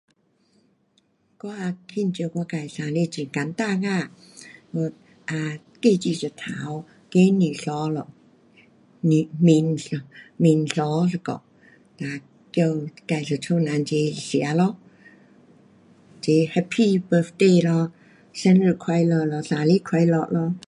我庆祝我自的生日很简单啊，啊，鸡煮一只，鸡蛋沸咯，面，面沸一下，哒叫自一家人齐吃咯，齐 happy birthday 咯,生日快乐咯，生日快乐咯。